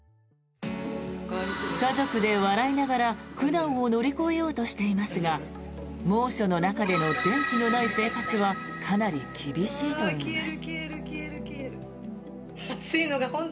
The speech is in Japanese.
家族で笑いながら苦難を乗り越えようとしていますが猛暑の中での電気のない生活はかなり厳しいといいます。